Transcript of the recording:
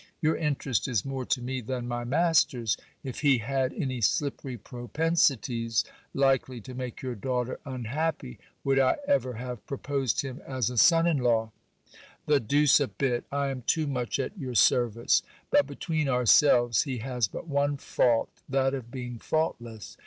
Your interest is more to me than my master's. If he had any slippery propensities, likely to make your daughter unhappy, would I ever have proposed him as a son in law ? The deuce a bit ! I am too much at your service. But, between ourselves, he has but one fault ; that of being faultless.